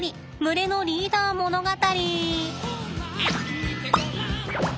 群れのリーダー物語！